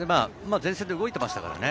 前線で動いていましたからね。